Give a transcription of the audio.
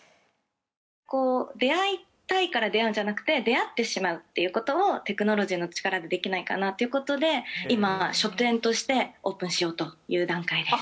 出会いたいから出会うんじゃなくて出会ってしまうっていうことをテクノロジーの力でできないかなっていうことで今書店としてオープンしようという段階です。